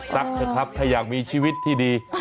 เถอะครับถ้าอยากมีชีวิตที่ดี